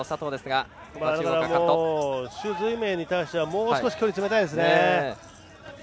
朱瑞銘に対してはもう少し距離を詰めたいですね。